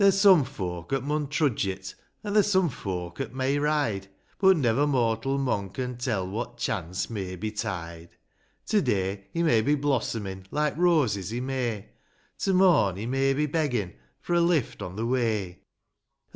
There's some folk 'at mun trudge it, an' there's some folk 'at may ride, But, never mortal mon con tell what chance may betide j To day, he may be blossomin', like roses i' May; To morn he may be beggin' for a lift on the way : A.